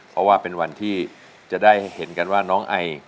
เพราะว่าเป็นวันที่จะได้เห็นกันว่าน้องไอ